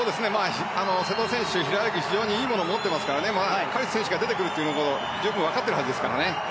瀬戸選手、平泳ぎ非常にいいものを持っていますからカリシュ選手が出てくるのも十分分かってるはずですからね。